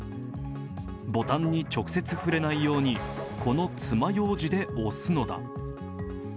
ボタンに直接触れないようにこの爪ようじで押すのだ。